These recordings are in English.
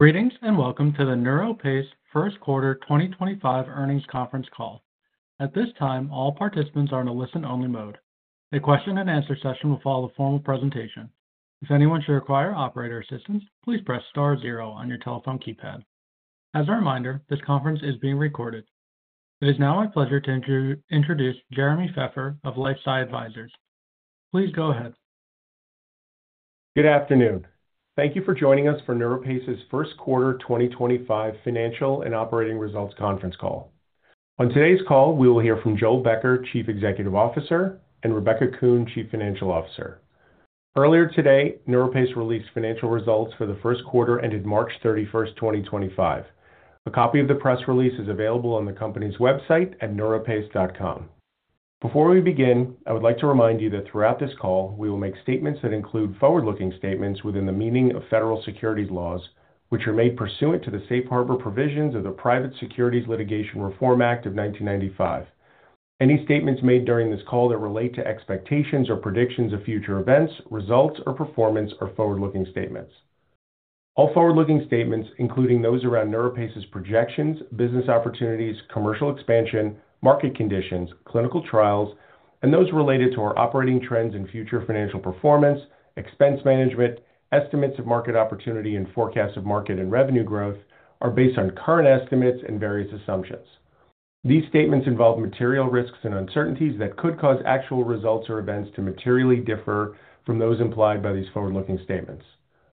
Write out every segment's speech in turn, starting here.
Greetings and welcome to the NeuroPace First Quarter 2025 earnings conference call. At this time, all participants are in a listen-only mode. A question-and-answer session will follow the formal presentation. If anyone should require operator assistance, please press star zero on your telephone keypad. As a reminder, this conference is being recorded. It is now my pleasure to introduce Jeremy Feffer of LifeSci Advisors. Please go ahead. Good afternoon. Thank you for joining us for NeuroPace's First Quarter 2025 Financial and Operating Results conference call. On today's call, we will hear from Joel Becker, Chief Executive Officer, and Rebecca Kuhn, Chief Financial Officer. Earlier today, NeuroPace released financial results for the first quarter ended March 31st 2025. A copy of the press release is available on the company's website at neuropace.com. Before we begin, I would like to remind you that throughout this call, we will make statements that include forward-looking statements within the meaning of federal securities laws, which are made pursuant to the safe harbor provisions of the Private Securities Litigation Reform Act of 1995. Any statements made during this call that relate to expectations or predictions of future events, results, or performance are forward-looking statements. All forward-looking statements, including those around NeuroPace's projections, business opportunities, commercial expansion, market conditions, clinical trials, and those related to our operating trends and future financial performance, expense management, estimates of market opportunity, and forecasts of market and revenue growth, are based on current estimates and various assumptions. These statements involve material risks and uncertainties that could cause actual results or events to materially differ from those implied by these forward-looking statements.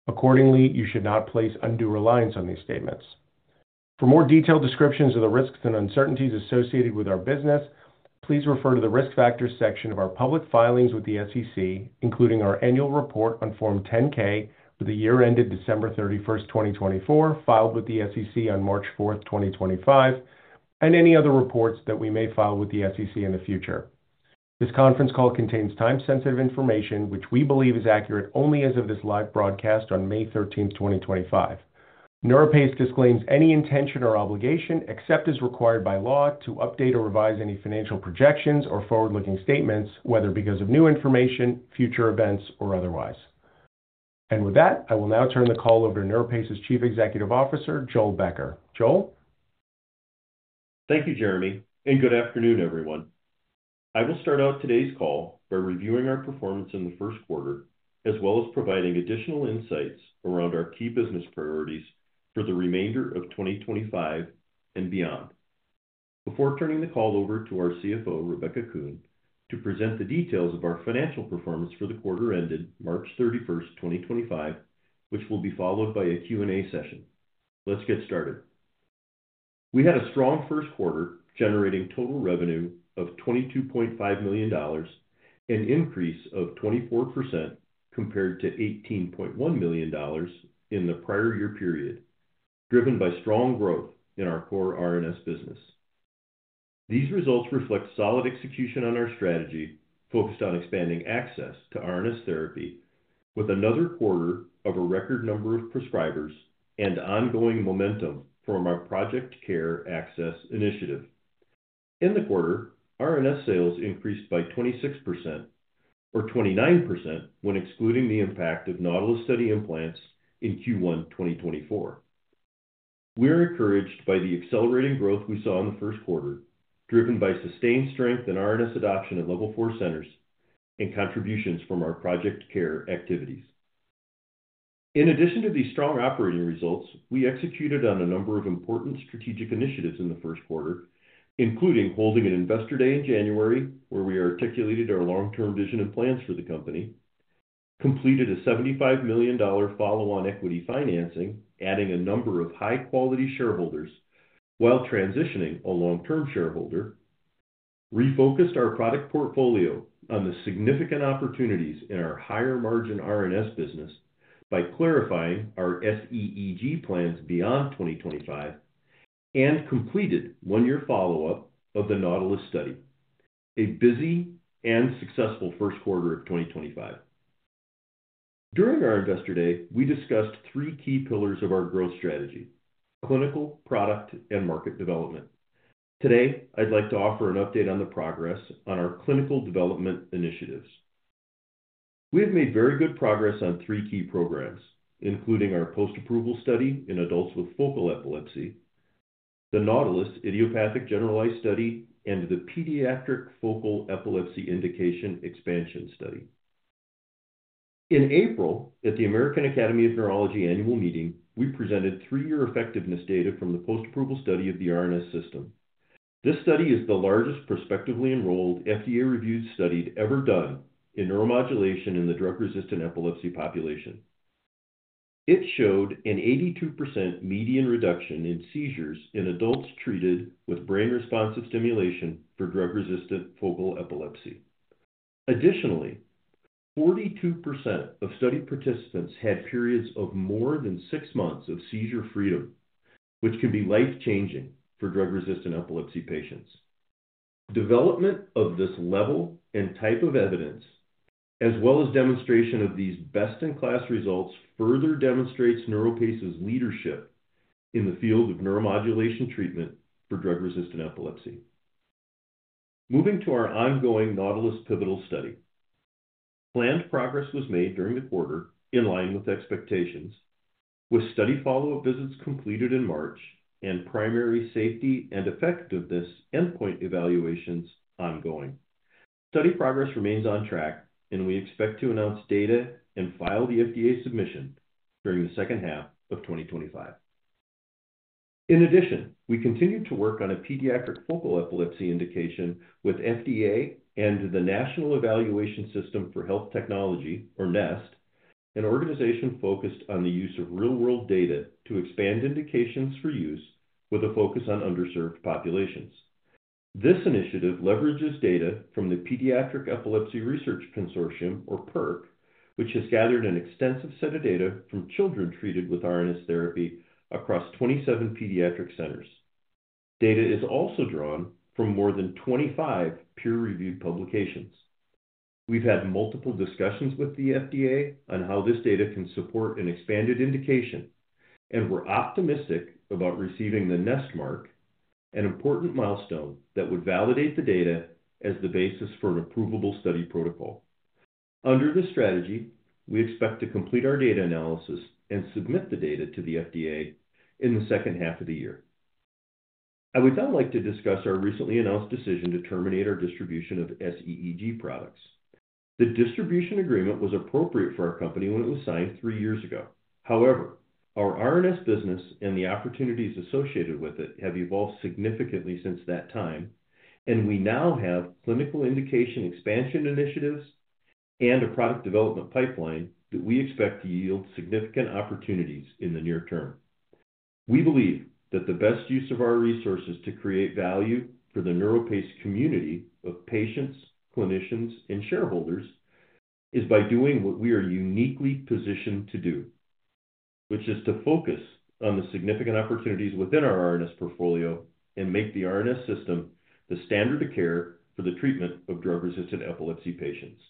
Accordingly, you should not place undue reliance on these statements. For more detailed descriptions of the risks and uncertainties associated with our business, please refer to the risk factors section of our public filings with the SEC, including our annual report on Form 10-K for the year ended December 31st 2024, filed with the SEC on March 4th 2025, and any other reports that we may file with the SEC in the future. This conference call contains time-sensitive information, which we believe is accurate only as of this live broadcast on May 13th, 2025. NeuroPace disclaims any intention or obligation, except as required by law, to update or revise any financial projections or forward-looking statements, whether because of new information, future events, or otherwise. With that, I will now turn the call over to NeuroPace's Chief Executive Officer, Joel Becker. Joel? Thank you, Jeremy, and good afternoon, everyone. I will start out today's call by reviewing our performance in the first quarter, as well as providing additional insights around our key business priorities for the remainder of 2025 and beyond. Before turning the call over to our CFO, Rebecca Kuhn, to present the details of our financial performance for the quarter ended March 31, 2025, which will be followed by a Q&A session. Let's get started. We had a strong first quarter, generating total revenue of $22.5 million and an increase of 24% compared to $18.1 million in the prior year period, driven by strong growth in our core RNS business. These results reflect solid execution on our strategy focused on expanding access to RNS therapy with another quarter of a record number of prescribers and ongoing momentum from our Project CARE Access initiative. In the quarter, RNS sales increased by 26%, or 29% when excluding the impact of NAUTILUS study implants in Q1, 2024. We are encouraged by the accelerating growth we saw in the first quarter, driven by sustained strength in RNS adoption at level four centers and contributions from our Project CARE activities. In addition to these strong operating results, we executed on a number of important strategic initiatives in the first quarter, including holding an Investor Day in January where we articulated our long-term vision and plans for the company, completed a $75 million follow-on equity financing, adding a number of high-quality shareholders while transitioning a long-term shareholder, refocused our product portfolio on the significant opportunities in our higher margin RNS business by clarifying our SEEG plans beyond 2025, and completed one-year follow-up of the NAUTILUS study. A busy and successful first quarter of 2025. During our investor day, we discussed three key pillars of our growth strategy: clinical, product, and market development. Today, I'd like to offer an update on the progress on our clinical development initiatives. We have made very good progress on three key programs, including our post-approval study in adults with focal epilepsy, the NAUTILUS idiopathic generalized study, and the pediatric focal epilepsy indication expansion study. In April, at the American Academy of Neurology annual meeting, we presented three-year effectiveness data from the post-approval study of the RNS System. This study is the largest prospectively enrolled FDA-reviewed study ever done in neuromodulation in the drug-resistant epilepsy population. It showed an 82% median reduction in seizures in adults treated with brain-responsive stimulation for drug-resistant focal epilepsy. Additionally, 42% of study participants had periods of more than six months of seizure freedom, which can be life-changing for drug-resistant epilepsy patients. Development of this level and type of evidence, as well as demonstration of these best-in-class results, further demonstrates NeuroPace's leadership in the field of neuromodulation treatment for drug-resistant epilepsy. Moving to our ongoing NAUTILUS pivotal study, planned progress was made during the quarter in line with expectations, with study follow-up visits completed in March and primary safety and effectiveness endpoint evaluations ongoing. Study progress remains on track, and we expect to announce data and file the FDA submission during the second half of 2025. In addition, we continue to work on a pediatric focal epilepsy indication with FDA and the National Evaluation System for Health Technology, or NEST, an organization focused on the use of real-world data to expand indications for use with a focus on underserved populations. This initiative leverages data from the Pediatric Epilepsy Research Consortium, or PERC, which has gathered an extensive set of data from children treated with RNS therapy across 27 pediatric centers. Data is also drawn from more than 25 peer-reviewed publications. We've had multiple discussions with the FDA on how this data can support an expanded indication, and we're optimistic about receiving the NEST Mark, an important milestone that would validate the data as the basis for an approvable study protocol. Under this strategy, we expect to complete our data analysis and submit the data to the FDA in the second half of the year. I would now like to discuss our recently announced decision to terminate our distribution of SEEG products. The distribution agreement was appropriate for our company when it was signed three years ago. However, our RNS business and the opportunities associated with it have evolved significantly since that time, and we now have clinical indication expansion initiatives and a product development pipeline that we expect to yield significant opportunities in the near term. We believe that the best use of our resources to create value for the NeuroPace community of patients, clinicians, and shareholders is by doing what we are uniquely positioned to do, which is to focus on the significant opportunities within our RNS portfolio and make the RNS System the standard of care for the treatment of drug-resistant epilepsy patients.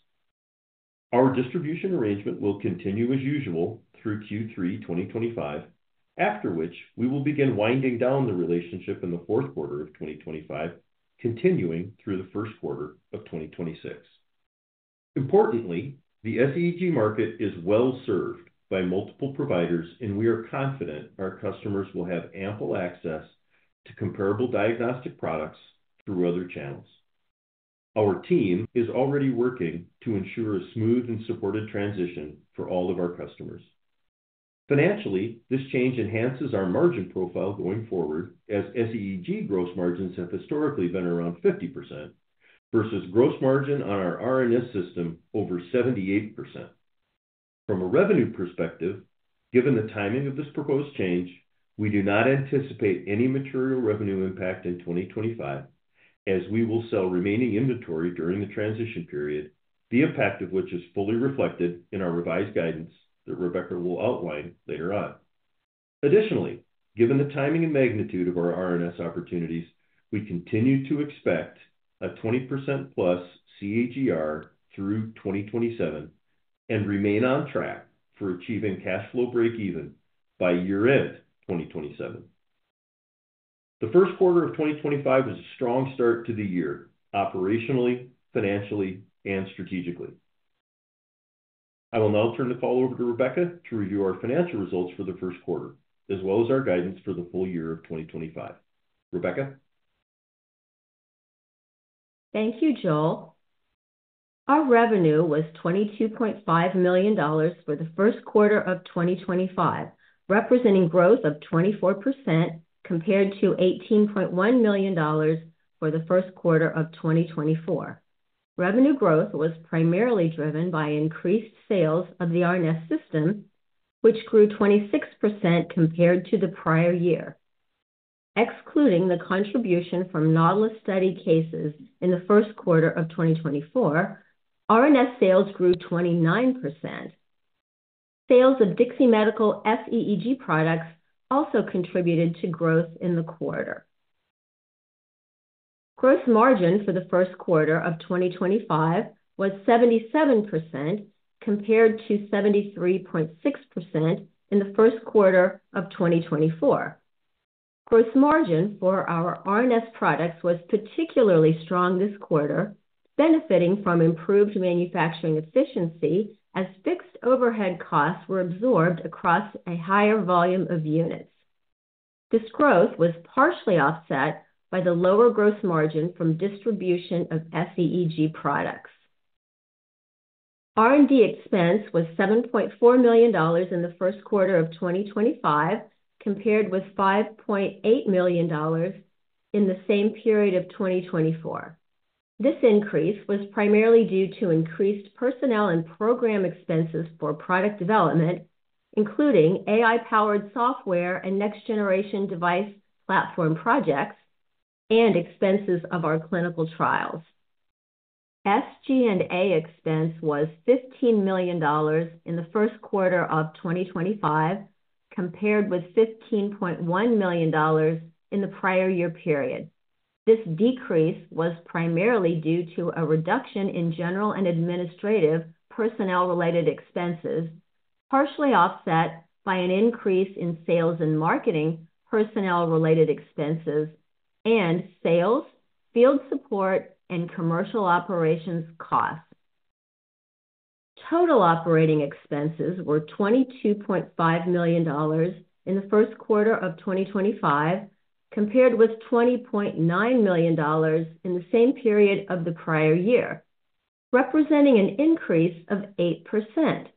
Our distribution arrangement will continue as usual through Q3 2025, after which we will begin winding down the relationship in the fourth quarter of 2025, continuing through the first quarter of 2026. Importantly, the SEEG market is well-served by multiple providers, and we are confident our customers will have ample access to comparable diagnostic products through other channels. Our team is already working to ensure a smooth and supported transition for all of our customers. Financially, this change enhances our margin profile going forward, as SEEG gross margins have historically been around 50% versus gross margin on our RNS System over 78%. From a revenue perspective, given the timing of this proposed change, we do not anticipate any material revenue impact in 2025, as we will sell remaining inventory during the transition period, the impact of which is fully reflected in our revised guidance that Rebecca will outline later on. Additionally, given the timing and magnitude of our RNS opportunities, we continue to expect a 20% plus CAGR through 2027 and remain on track for achieving cash flow break-even by year-end 2027. The first quarter of 2025 was a strong start to the year operationally, financially, and strategically. I will now turn the call over to Rebecca to review our financial results for the first quarter, as well as our guidance for the full year of 2025. Rebecca? Thank you, Joel. Our revenue was $22.5 million for the first quarter of 2025, representing growth of 24% compared to $18.1 million for the first quarter of 2024. Revenue growth was primarily driven by increased sales of the RNS System, which grew 26% compared to the prior year. Excluding the contribution from NAUTILUS trial cases in the first quarter of 2024, RNS sales grew 29%. Sales of Dixie Medical SEEG products also contributed to growth in the quarter. Gross margin for the first quarter of 2025 was 77% compared to 73.6% in the first quarter of 2024. Gross margin for our RNS products was particularly strong this quarter, benefiting from improved manufacturing efficiency as fixed overhead costs were absorbed across a higher volume of units. This growth was partially offset by the lower gross margin from distribution of SEEG products. R&D expense was $7.4 million in the first quarter of 2025, compared with $5.8 million in the same period of 2024. This increase was primarily due to increased personnel and program expenses for product development, including AI-powered software and next-generation device platform projects, and expenses of our clinical trials. SG&A expense was $15 million in the first quarter of 2025, compared with $15.1 million in the prior year period. This decrease was primarily due to a reduction in general and administrative personnel-related expenses, partially offset by an increase in sales and marketing personnel-related expenses and sales, field support, and commercial operations costs. Total operating expenses were $22.5 million in the first quarter of 2025, compared with $20.9 million in the same period of the prior year, representing an increase of 8%.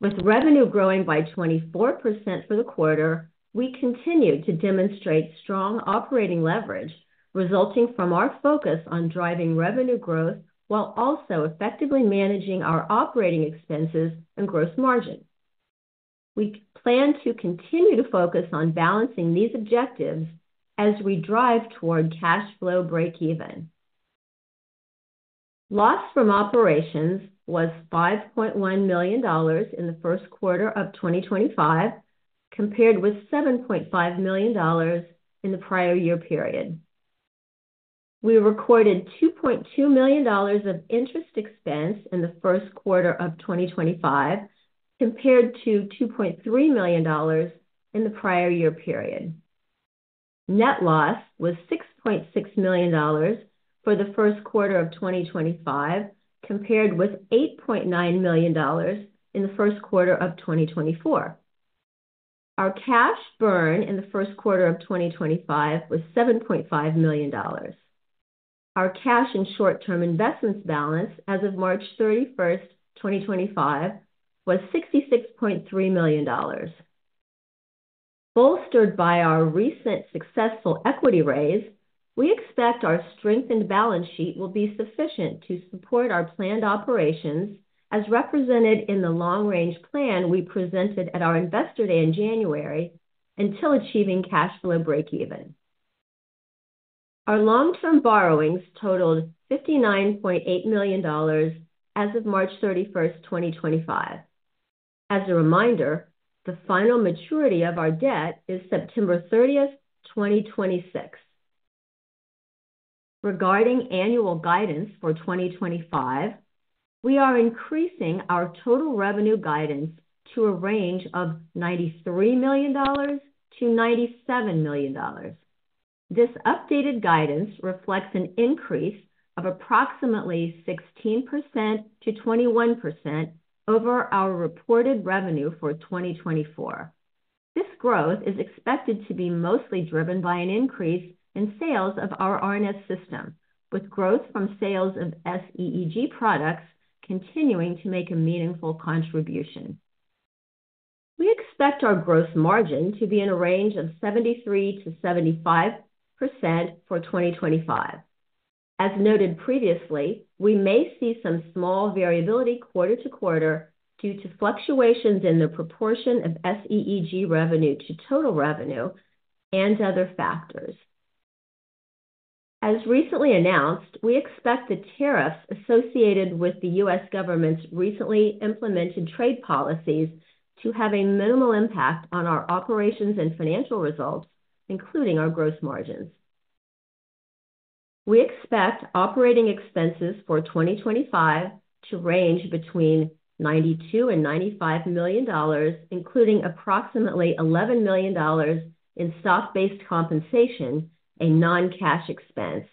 With revenue growing by 24% for the quarter, we continued to demonstrate strong operating leverage resulting from our focus on driving revenue growth while also effectively managing our operating expenses and gross margin. We plan to continue to focus on balancing these objectives as we drive toward cash flow break-even. Loss from operations was $5.1 million in the first quarter of 2025, compared with $7.5 million in the prior year period. We recorded $2.2 million of interest expense in the first quarter of 2025, compared to $2.3 million in the prior year period. Net loss was $6.6 million for the first quarter of 2025, compared with $8.9 million in the first quarter of 2024. Our cash burn in the first quarter of 2025 was $7.5 million. Our cash and short-term investments balance as of March 31st, 2025, was $66.3 million. Bolstered by our recent successful equity raise, we expect our strengthened balance sheet will be sufficient to support our planned operations, as represented in the long-range plan we presented at our Investor Day in January, until achieving cash flow break-even. Our long-term borrowings totaled $59.8 million as of March 31, 2025. As a reminder, the final maturity of our debt is September 30, 2026. Regarding annual guidance for 2025, we are increasing our total revenue guidance to a range of $93 million-$97 million. This updated guidance reflects an increase of approximately 16%-21% over our reported revenue for 2024. This growth is expected to be mostly driven by an increase in sales of our RNS System, with growth from sales of SEEG products continuing to make a meaningful contribution. We expect our gross margin to be in a range of 73%-75% for 2025. As noted previously, we may see some small variability quarter to quarter due to fluctuations in the proportion of SEEG revenue to total revenue and other factors. As recently announced, we expect the tariffs associated with the U.S. government's recently implemented trade policies to have a minimal impact on our operations and financial results, including our gross margins. We expect operating expenses for 2025 to range between $92-$95 million, including approximately $11 million in stock-based compensation, a non-cash expense.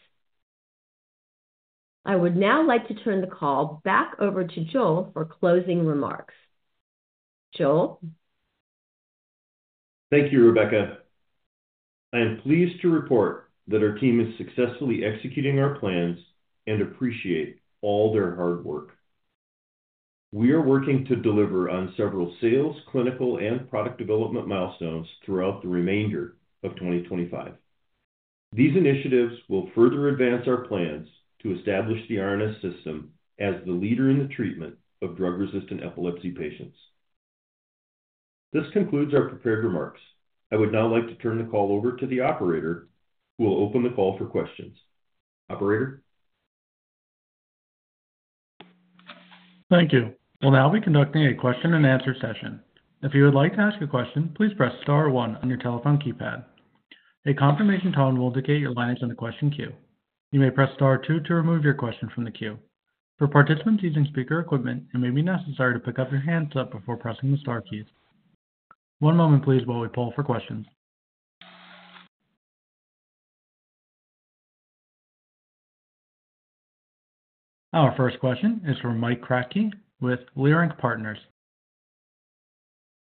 I would now like to turn the call back over to Joel for closing remarks. Joel? Thank you, Rebecca. I am pleased to report that our team is successfully executing our plans and appreciate all their hard work. We are working to deliver on several sales, clinical, and product development milestones throughout the remainder of 2025. These initiatives will further advance our plans to establish the RNS System as the leader in the treatment of drug-resistant epilepsy patients. This concludes our prepared remarks. I would now like to turn the call over to the operator, who will open the call for questions. Operator? Thank you. We'll now be conducting a question-and-answer session. If you would like to ask a question, please press Star 1 on your telephone keypad. A confirmation tone will indicate your line is on the question queue. You may press Star 2 to remove your question from the queue. For participants using speaker equipment, it may be necessary to pick up your handset before pressing the Star keys. One moment, please, while we poll for questions. Our first question is from Mike Kratky with Leerink Partners.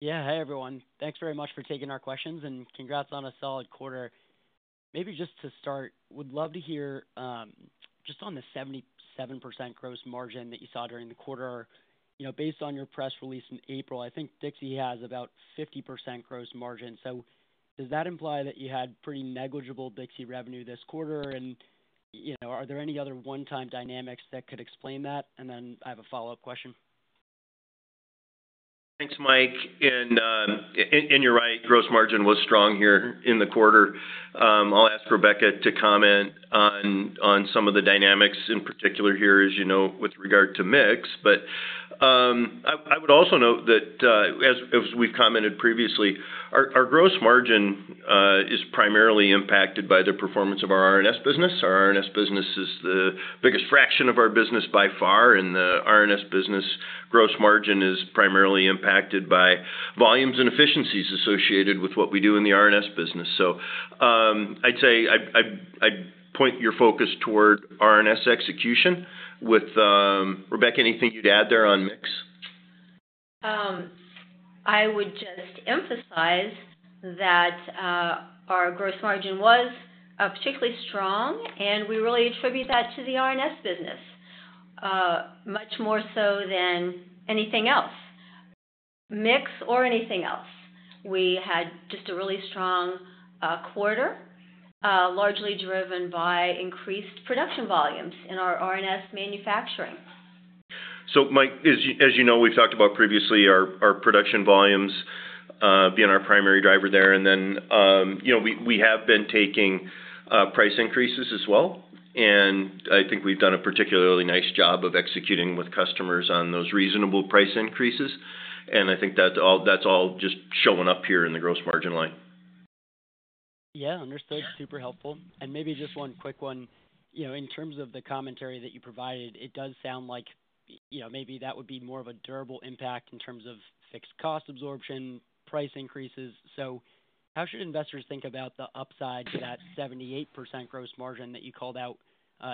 Yeah, hey, everyone. Thanks very much for taking our questions, and congrats on a solid quarter. Maybe just to start, we'd love to hear just on the 77% gross margin that you saw during the quarter. You know, based on your press release in April, I think Dixie has about 50% gross margin. Does that imply that you had pretty negligible Dixie revenue this quarter? You know, are there any other one-time dynamics that could explain that? I have a follow-up question. Thanks, Mike. You're right, gross margin was strong here in the quarter. I'll ask Rebecca to comment on some of the dynamics in particular here, as you know, with regard to mix. I would also note that, as we've commented previously, our gross margin is primarily impacted by the performance of our RNS business. Our RNS business is the biggest fraction of our business by far, and the RNS business gross margin is primarily impacted by volumes and efficiencies associated with what we do in the RNS business. I'd say I'd point your focus toward RNS execution. Rebecca, anything you'd add there on mix? I would just emphasize that our gross margin was particularly strong, and we really attribute that to the RNS business, much more so than anything else, mix or anything else. We had just a really strong quarter, largely driven by increased production volumes in our RNS manufacturing. Mike, as you know, we've talked about previously our production volumes being our primary driver there. You know, we have been taking price increases as well, and I think we've done a particularly nice job of executing with customers on those reasonable price increases. I think that's all just showing up here in the gross margin line. Yeah, understood. Super helpful. Maybe just one quick one. You know, in terms of the commentary that you provided, it does sound like, you know, maybe that would be more of a durable impact in terms of fixed cost absorption, price increases. How should investors think about the upside to that 78% gross margin that you called out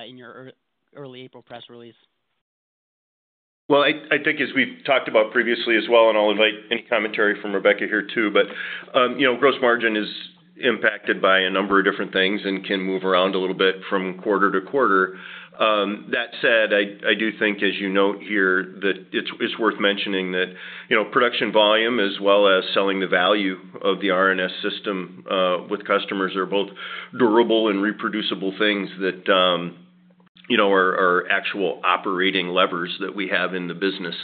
in your early April press release? I think, as we've talked about previously as well, and I'll invite any commentary from Rebecca here too, but, you know, gross margin is impacted by a number of different things and can move around a little bit from quarter to quarter. That said, I do think, as you note here, that it's worth mentioning that, you know, production volume, as well as selling the value of the RNS System with customers, are both durable and reproducible things that, you know, are actual operating levers that we have in the business.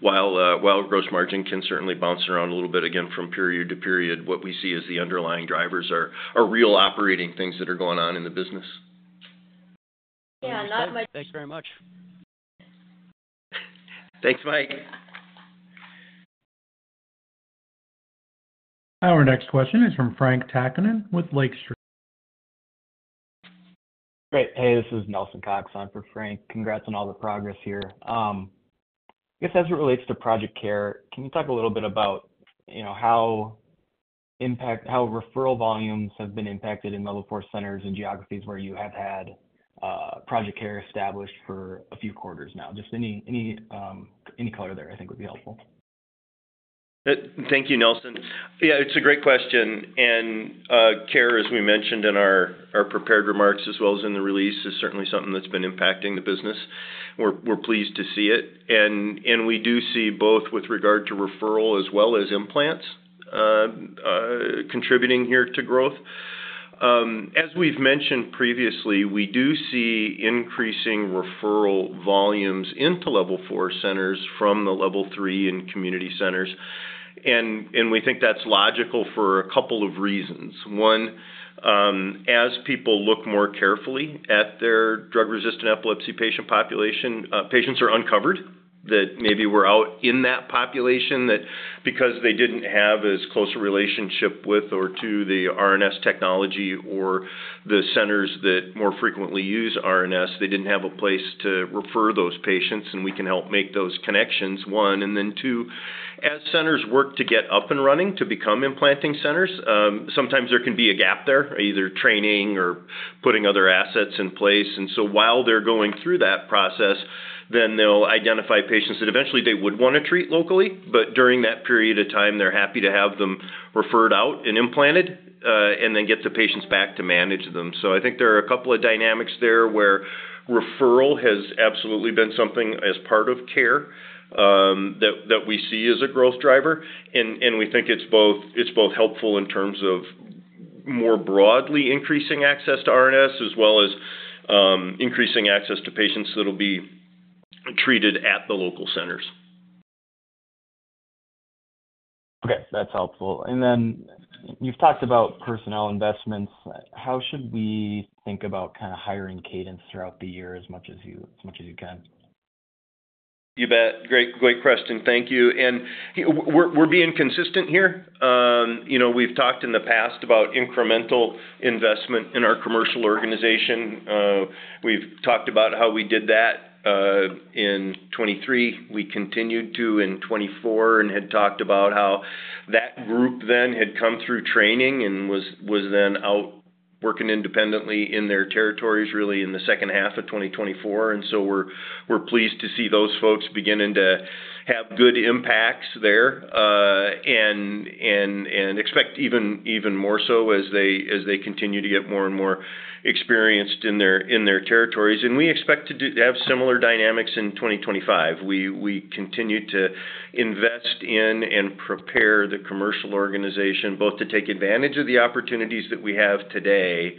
While gross margin can certainly bounce around a little bit again from period to period, what we see as the underlying drivers are real operating things that are going on in the business. Yeah, not. Thanks very much. Thanks, Mike. Our next question is from Frank Takkinen with Lake Street. Great. Hey, this is Nelson Cox. I'm for Frank. Congrats on all the progress here. I guess as it relates to Project CARE, can you talk a little bit about, you know, how referral volumes have been impacted in level four centers and geographies where you have had Project CARE established for a few quarters now? Just any color there, I think, would be helpful. Thank you, Nelson. Yeah, it's a great question. CARE, as we mentioned in our prepared remarks as well as in the release, is certainly something that's been impacting the business. We're pleased to see it. We do see both with regard to referral as well as implants contributing here to growth. As we've mentioned previously, we do see increasing referral volumes into level four centers from the level three and community centers. We think that's logical for a couple of reasons. One, as people look more carefully at their drug-resistant epilepsy patient population, patients are uncovered that maybe were out in that population that because they didn't have as close a relationship with or to the RNS technology or the centers that more frequently use RNS, they didn't have a place to refer those patients, and we can help make those connections, one. Two, as centers work to get up and running to become implanting centers, sometimes there can be a gap there, either training or putting other assets in place. While they are going through that process, they will identify patients that eventually they would want to treat locally, but during that period of time, they are happy to have them referred out and implanted and then get the patients back to manage them. I think there are a couple of dynamics there where referral has absolutely been something as part of care that we see as a growth driver. We think it is both helpful in terms of more broadly increasing access to RNS as well as increasing access to patients that will be treated at the local centers. Okay, that's helpful. You talked about personnel investments. How should we think about kind of hiring cadence throughout the year as much as you can? You bet. Great question. Thank you. We are being consistent here. You know, we have talked in the past about incremental investment in our commercial organization. We have talked about how we did that in 2023. We continued to in 2024 and had talked about how that group then had come through training and was then out working independently in their territories, really, in the second half of 2024. We are pleased to see those folks beginning to have good impacts there and expect even more so as they continue to get more and more experienced in their territories. We expect to have similar dynamics in 2025. We continue to invest in and prepare the commercial organization both to take advantage of the opportunities that we have today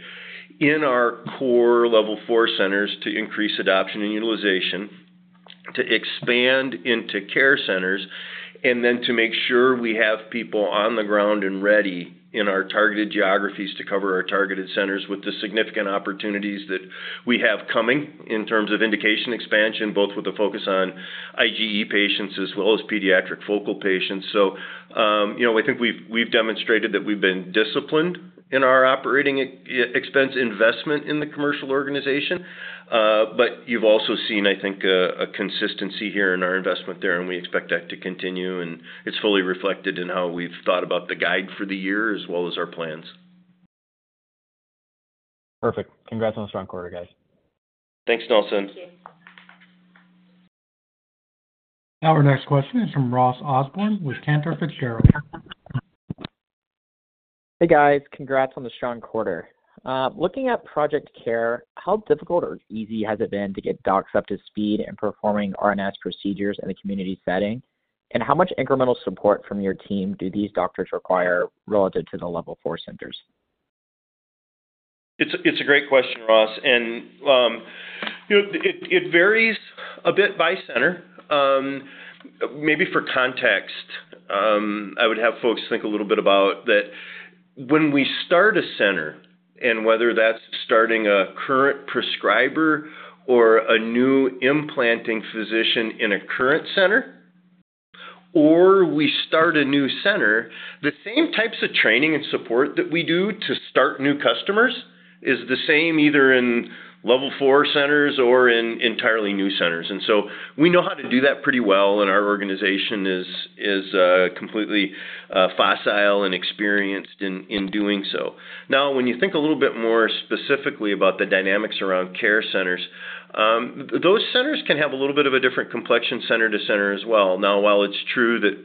in our core level four centers to increase adoption and utilization, to expand into care centers, and then to make sure we have people on the ground and ready in our targeted geographies to cover our targeted centers with the significant opportunities that we have coming in terms of indication expansion, both with a focus on IGE patients as well as pediatric focal patients. You know, I think we've demonstrated that we've been disciplined in our operating expense investment in the commercial organization. You've also seen, I think, a consistency here in our investment there, and we expect that to continue. It's fully reflected in how we've thought about the guide for the year as well as our plans. Perfect. Congrats on the strong quarter, guys. Thanks, Nelson. Thank you. Our next question is from Ross Osborn with Cantor Fitzgerald. Hey, guys. Congrats on the strong quarter. Looking at Project CARE, how difficult or easy has it been to get docs up to speed in performing RNS procedures in a community setting? How much incremental support from your team do these doctors require relative to the level four centers? It's a great question, Ross. You know, it varies a bit by center. Maybe for context, I would have folks think a little bit about that when we start a center, and whether that's starting a current prescriber or a new implanting physician in a current center, or we start a new center, the same types of training and support that we do to start new customers is the same either in level four centers or in entirely new centers. We know how to do that pretty well, and our organization is completely facile and experienced in doing so. Now, when you think a little bit more specifically about the dynamics around care centers, those centers can have a little bit of a different complexion center to center as well. Now, while it's true that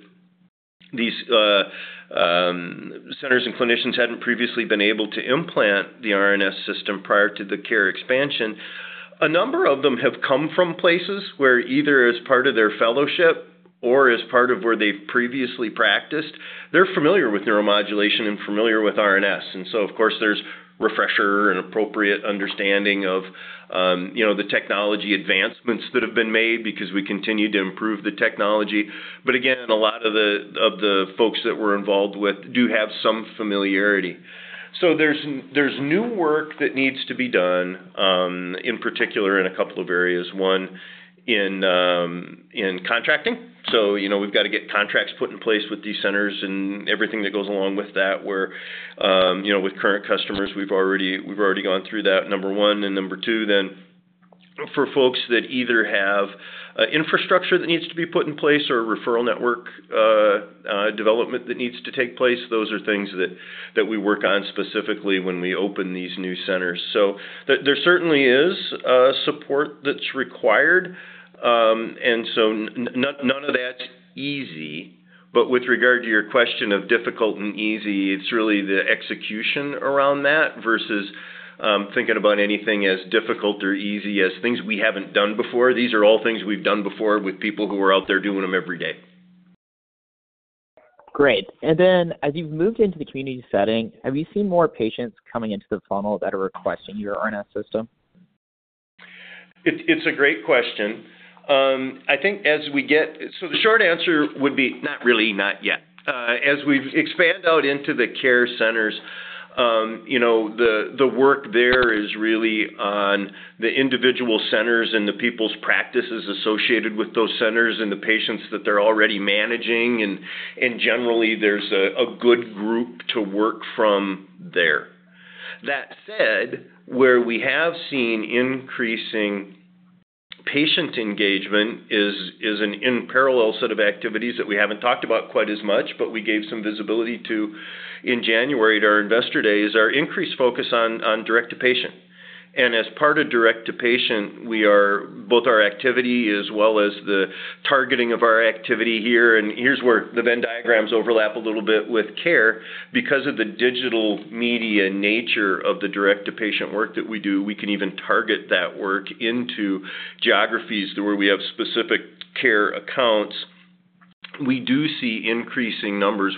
these centers and clinicians hadn't previously been able to implant the RNS System prior to the CARE expansion, a number of them have come from places where either as part of their fellowship or as part of where they've previously practiced, they're familiar with neuromodulation and familiar with RNS. Of course, there's refresher and appropriate understanding of, you know, the technology advancements that have been made because we continue to improve the technology. Again, a lot of the folks that we're involved with do have some familiarity. There's new work that needs to be done, in particular in a couple of areas. One in contracting. You know, we've got to get contracts put in place with these centers and everything that goes along with that where, you know, with current customers, we've already gone through that, number one. Number two, for folks that either have infrastructure that needs to be put in place or a referral network development that needs to take place, those are things that we work on specifically when we open these new centers. There certainly is support that's required. None of that's easy. With regard to your question of difficult and easy, it's really the execution around that versus thinking about anything as difficult or easy as things we haven't done before. These are all things we've done before with people who are out there doing them every day. Great. As you've moved into the community setting, have you seen more patients coming into the funnel that are requesting your RNS System? It's a great question. I think as we get, the short answer would be not really, not yet. As we've expanded out into the care centers, you know, the work there is really on the individual centers and the people's practices associated with those centers and the patients that they're already managing. Generally, there's a good group to work from there. That said, where we have seen increasing patient engagement is in a parallel set of activities that we haven't talked about quite as much, but we gave some visibility to in January at our Investor Day, is our increased focus on direct-to-patient. As part of direct-to-patient, we are both our activity as well as the targeting of our activity here. Here's where the Venn diagrams overlap a little bit with care. Because of the digital media nature of the direct-to-patient work that we do, we can even target that work into geographies where we have specific care accounts. We do see increasing numbers.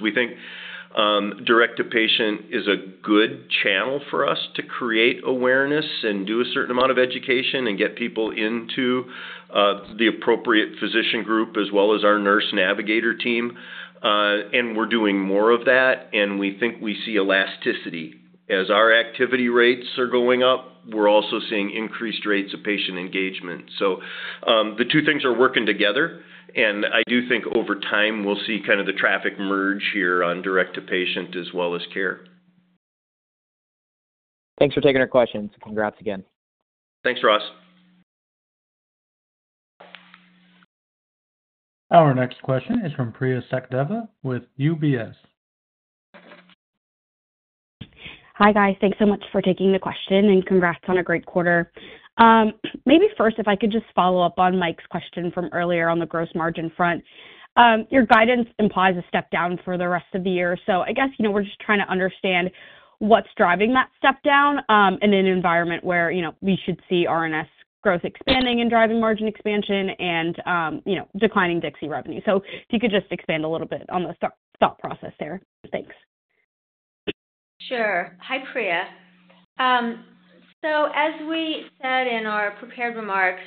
We think direct-to-patient is a good channel for us to create awareness and do a certain amount of education and get people into the appropriate physician group as well as our nurse navigator team. We're doing more of that. We think we see elasticity. As our activity rates are going up, we're also seeing increased rates of patient engagement. The two things are working together. I do think over time, we'll see kind of the traffic merge here on direct-to-patient as well as care. Thanks for taking our questions. Congrats again. Thanks, Ross. Our next question is from Priya Sachdeva with UBS. Hi, guys. Thanks so much for taking the question and congrats on a great quarter. Maybe first, if I could just follow up on Mike's question from earlier on the gross margin front. Your guidance implies a step down for the rest of the year. I guess, you know, we're just trying to understand what's driving that step down in an environment where, you know, we should see RNS growth expanding and driving margin expansion and, you know, declining Dixie revenue. If you could just expand a little bit on the thought process there. Thanks. Sure. Hi, Priya. As we said in our prepared remarks,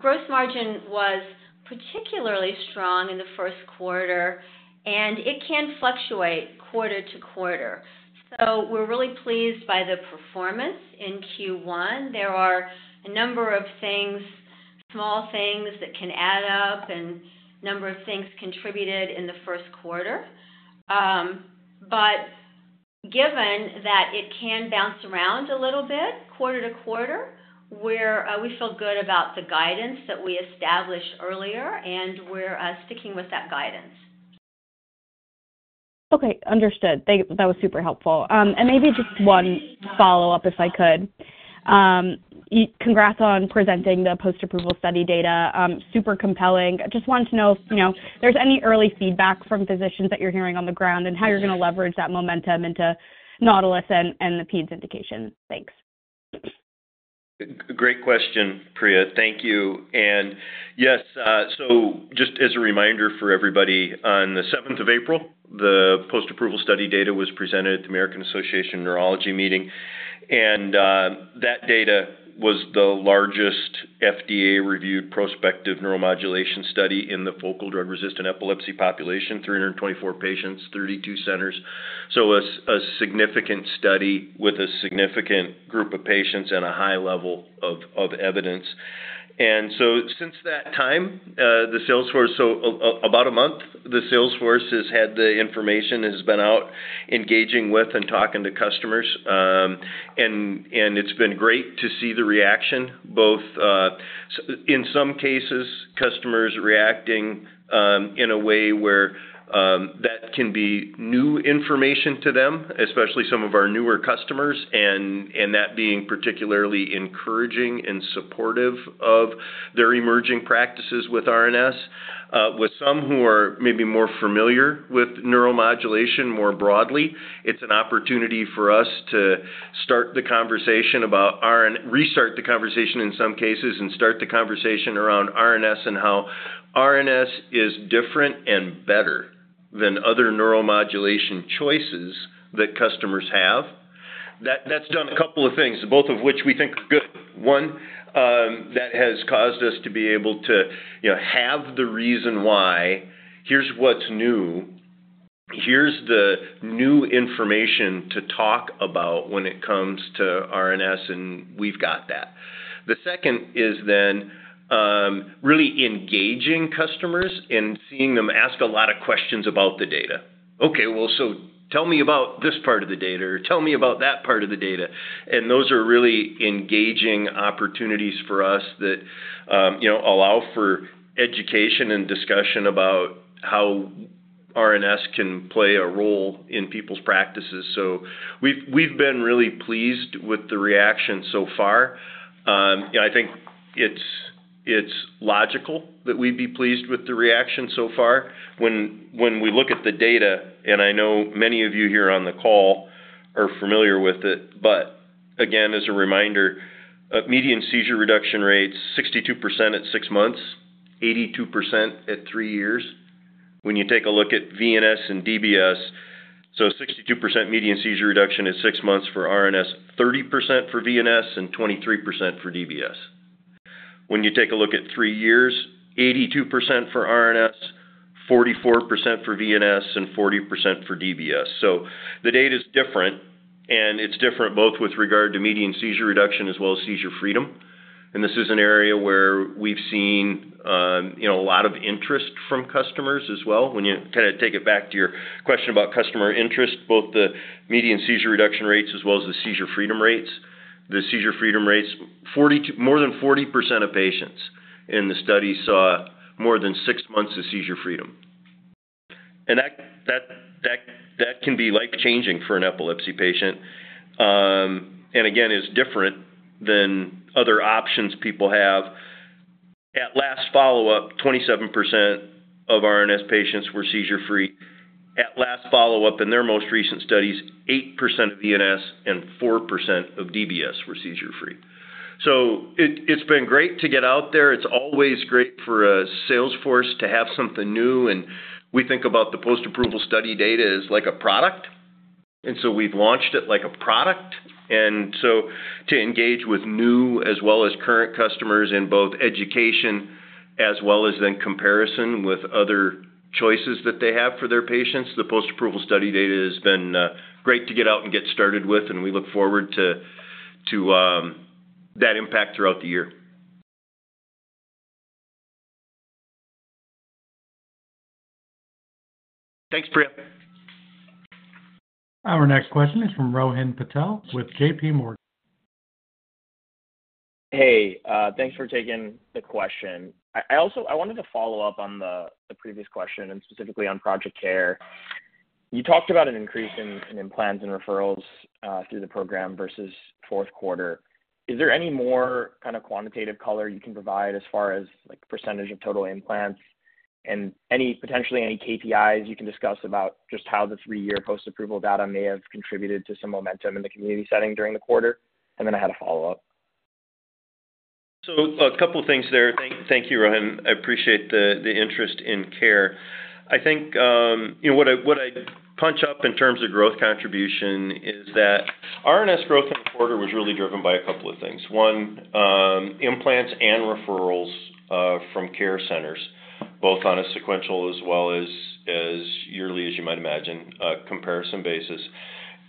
gross margin was particularly strong in the first quarter, and it can fluctuate quarter to quarter. We are really pleased by the performance in Q1. There are a number of things, small things that can add up and a number of things contributed in the first quarter. Given that it can bounce around a little bit quarter to quarter, we feel good about the guidance that we established earlier, and we are sticking with that guidance. Okay, understood. That was super helpful. Maybe just one follow-up, if I could. Congrats on presenting the post-approval study data. Super compelling. I just wanted to know if, you know, there's any early feedback from physicians that you're hearing on the ground and how you're going to leverage that momentum into NAUTILUS and the peds indication. Thanks. Great question, Priya. Thank you. Yes, just as a reminder for everybody, on the 7th of April, the post-approval study data was presented at the American Association of Neurology meeting. That data was the largest FDA-reviewed prospective neuromodulation study in the focal drug-resistant epilepsy population, 324 patients, 32 centers. A significant study with a significant group of patients and a high level of evidence. Since that time, the Salesforce, so about a month, the Salesforce has had the information has been out engaging with and talking to customers. It has been great to see the reaction, both in some cases, customers reacting in a way where that can be new information to them, especially some of our newer customers, and that being particularly encouraging and supportive of their emerging practices with RNS. With some who are maybe more familiar with neuromodulation more broadly, it's an opportunity for us to start the conversation about RNS, restart the conversation in some cases, and start the conversation around RNS and how RNS is different and better than other neuromodulation choices that customers have. That's done a couple of things, both of which we think are good. One, that has caused us to be able to, you know, have the reason why, here's what's new, here's the new information to talk about when it comes to RNS, and we've got that. The second is then really engaging customers and seeing them ask a lot of questions about the data. Okay, well, so tell me about this part of the data, or tell me about that part of the data. Those are really engaging opportunities for us that, you know, allow for education and discussion about how RNS can play a role in people's practices. We've been really pleased with the reaction so far. You know, I think it's logical that we'd be pleased with the reaction so far when we look at the data. I know many of you here on the call are familiar with it. Again, as a reminder, median seizure reduction rates, 62% at six months, 82% at three years. When you take a look at VNS and DBS, 62% median seizure reduction at six months for RNS, 30% for VNS, and 23% for DBS. When you take a look at three years, 82% for RNS, 44% for VNS, and 40% for DBS. The data is different, and it's different both with regard to median seizure reduction as well as seizure freedom. This is an area where we've seen, you know, a lot of interest from customers as well. When you kind of take it back to your question about customer interest, both the median seizure reduction rates as well as the seizure freedom rates, the seizure freedom rates, more than 40% of patients in the study saw more than six months of seizure freedom. That can be life-changing for an epilepsy patient. Again, it's different than other options people have. At last follow-up, 27% of RNS patients were seizure-free. At last follow-up in their most recent studies, 8% of VNS and 4% of DBS were seizure-free. It's been great to get out there. It's always great for a Salesforce to have something new. We think about the post-approval study data as like a product. We have launched it like a product. To engage with new as well as current customers in both education as well as comparison with other choices that they have for their patients, the post-approval study data has been great to get out and get started with. We look forward to that impact throughout the year. Thanks, Priya. Our next question is from Rohan Patel with J.P. Morgan. Hey, thanks for taking the question. I also wanted to follow up on the previous question and specifically on Project CARE. You talked about an increase in implants and referrals through the program versus fourth quarter. Is there any more kind of quantitative color you can provide as far as like % of total implants and potentially any KPIs you can discuss about just how the three-year post-approval data may have contributed to some momentum in the community setting during the quarter? I had a follow-up. A couple of things there. Thank you, Rohan. I appreciate the interest in care. I think, you know, what I punch up in terms of growth contribution is that RNS growth in the quarter was really driven by a couple of things. One, implants and referrals from care centers, both on a sequential as well as yearly, as you might imagine, comparison basis.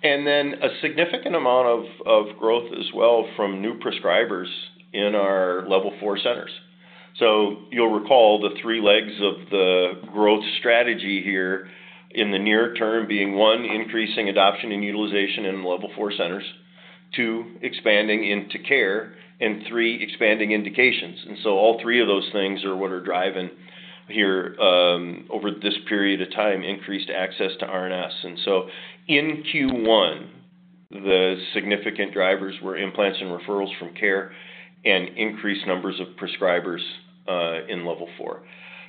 Then a significant amount of growth as well from new prescribers in our level four centers. You'll recall the three legs of the growth strategy here in the near term being one, increasing adoption and utilization in level four centers, two, expanding into care, and three, expanding indications. All three of those things are what are driving here over this period of time, increased access to RNS. In Q1, the significant drivers were implants and referrals from care and increased numbers of prescribers in level four.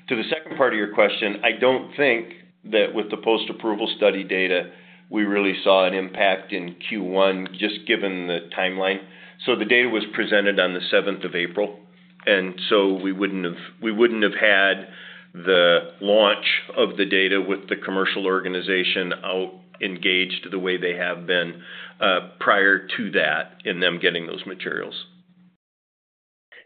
To the second part of your question, I do not think that with the post-approval study data, we really saw an impact in Q1 just given the timeline. The data was presented on the 7th of April. We would not have had the launch of the data with the commercial organization out engaged the way they have been prior to that in them getting those materials.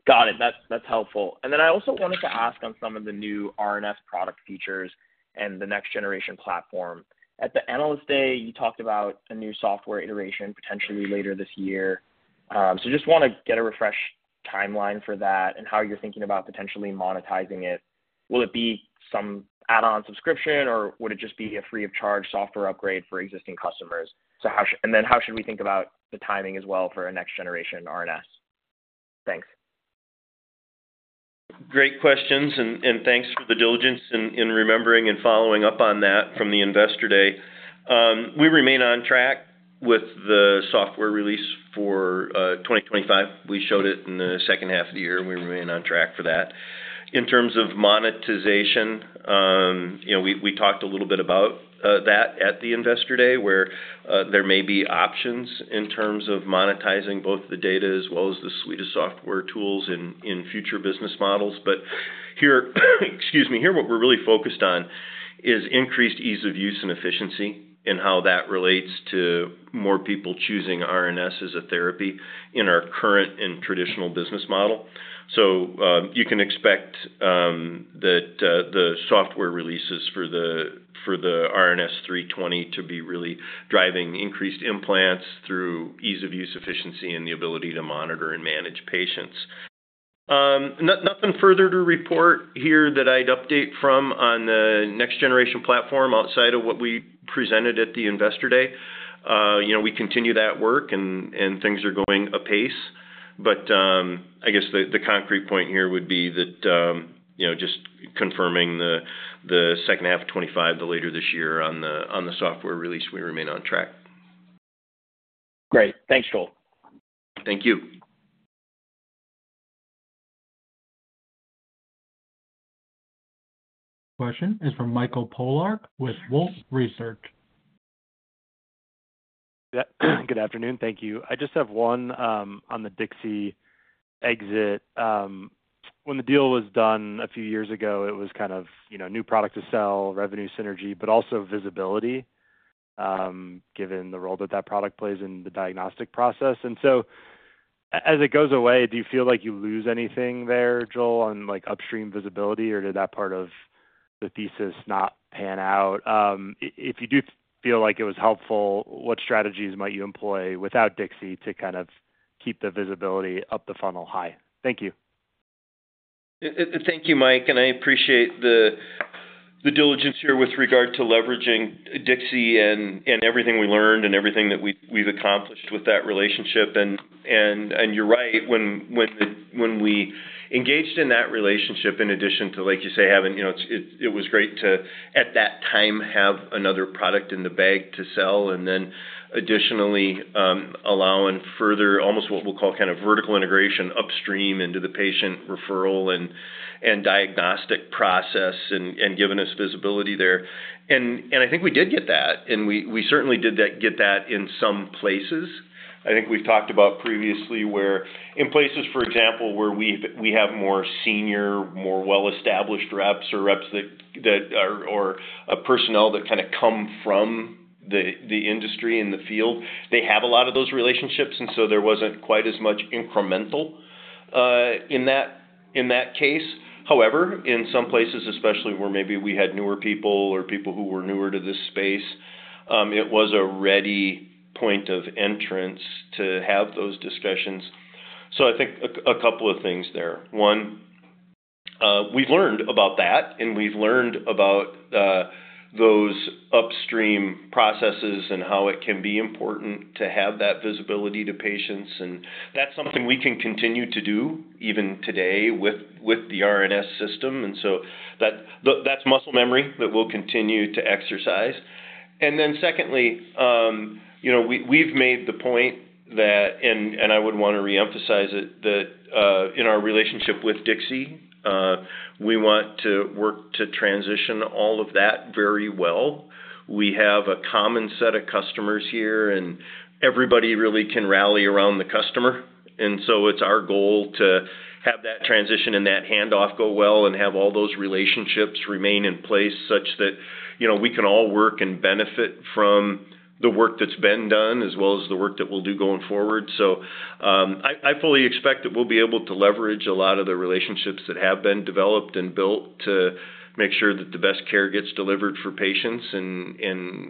Got it. That's helpful. I also wanted to ask on some of the new RNS product features and the next generation platform. At the analyst day, you talked about a new software iteration potentially later this year. I just want to get a refreshed timeline for that and how you're thinking about potentially monetizing it. Will it be some add-on subscription, or would it just be a free-of-charge software upgrade for existing customers? How should we think about the timing as well for a next generation RNS? Thanks. Great questions. Thanks for the diligence in remembering and following up on that from the Investor Day. We remain on track with the software release for 2025. We showed it in the second half of the year, and we remain on track for that. In terms of monetization, you know, we talked a little bit about that at the Investor Day where there may be options in terms of monetizing both the data as well as the suite of software tools in future business models. Here, excuse me, here what we're really focused on is increased ease of use and efficiency and how that relates to more people choosing RNS as a therapy in our current and traditional business model. You can expect that the software releases for the RNS 320 to be really driving increased implants through ease of use, efficiency, and the ability to monitor and manage patients. Nothing further to report here that I'd update from on the next generation platform outside of what we presented at the Investor Day. You know, we continue that work, and things are going apace. I guess the concrete point here would be that, you know, just confirming the second half of 2025, the later this year on the software release, we remain on track. Great. Thanks, Joel. Thank you. Question is from Michael Pollard with Wolfe Research. Good afternoon. Thank you. I just have one on the Dixie exit. When the deal was done a few years ago, it was kind of, you know, new product to sell, revenue synergy, but also visibility given the role that that product plays in the diagnostic process. As it goes away, do you feel like you lose anything there, Joel, on like upstream visibility, or did that part of the thesis not pan out? If you do feel like it was helpful, what strategies might you employ without Dixie to kind of keep the visibility up the funnel high? Thank you. Thank you, Mike. I appreciate the diligence here with regard to leveraging Dixie and everything we learned and everything that we've accomplished with that relationship. You are right, when we engaged in that relationship, in addition to, like you say, having, you know, it was great to at that time have another product in the bag to sell and then additionally allowing further almost what we will call kind of vertical integration upstream into the patient referral and diagnostic process and giving us visibility there. I think we did get that. We certainly did get that in some places. I think we have talked about previously where in places, for example, where we have more senior, more well-established reps or reps that are personnel that kind of come from the industry and the field, they have a lot of those relationships. There was not quite as much incremental in that case. However, in some places, especially where maybe we had newer people or people who were newer to this space, it was a ready point of entrance to have those discussions. I think a couple of things there. One, we have learned about that, and we have learned about those upstream processes and how it can be important to have that visibility to patients. That is something we can continue to do even today with the RNS System. That is muscle memory that we will continue to exercise. Secondly, you know, we have made the point that, and I would want to reemphasize it, that in our relationship with Dixie, we want to work to transition all of that very well. We have a common set of customers here, and everybody really can rally around the customer. It is our goal to have that transition and that handoff go well and have all those relationships remain in place such that, you know, we can all work and benefit from the work that's been done as well as the work that we'll do going forward. I fully expect that we'll be able to leverage a lot of the relationships that have been developed and built to make sure that the best care gets delivered for patients.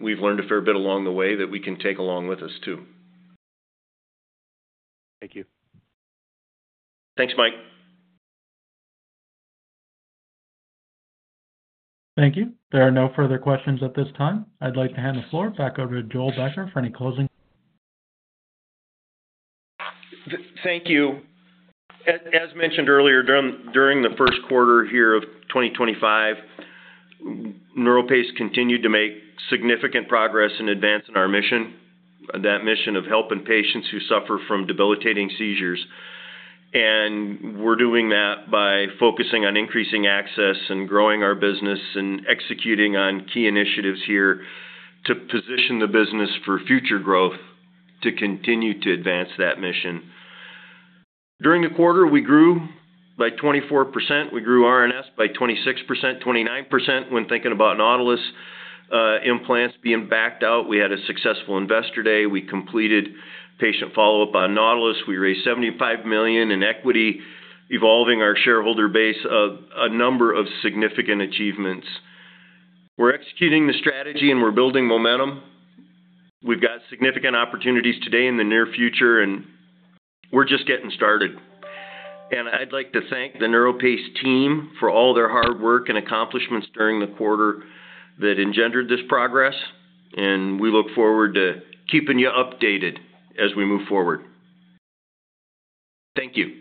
We've learned a fair bit along the way that we can take along with us too. Thank you. Thanks, Mike. Thank you. There are no further questions at this time. I'd like to hand the floor back over to Joel Becker for any closing. Thank you. As mentioned earlier, during the first quarter here of 2025, NeuroPace continued to make significant progress in advancing our mission, that mission of helping patients who suffer from debilitating seizures. We are doing that by focusing on increasing access and growing our business and executing on key initiatives here to position the business for future growth to continue to advance that mission. During the quarter, we grew by 24%. We grew RNS by 26%, 29% when thinking about NAUTILUS implants being backed out. We had a successful Investor Day. We completed patient follow-up on NAUTILUS. We raised $75 million in equity, evolving our shareholder base of a number of significant achievements. We are executing the strategy, and we are building momentum. We have significant opportunities today and the near future, and we are just getting started. I would like to thank the NeuroPace team for all their hard work and accomplishments during the quarter that engendered this progress. We look forward to keeping you updated as we move forward. Thank you.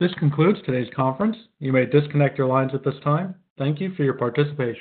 This concludes today's conference. You may disconnect your lines at this time. Thank you for your participation.